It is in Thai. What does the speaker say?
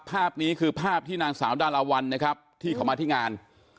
ภาพนี้คือภาพที่นางสาวดาราวันนะครับที่เขามาที่งาน